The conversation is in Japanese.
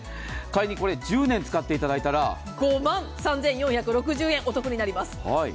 仮に１０年使っていただいたら、５万３４６０円お得になります。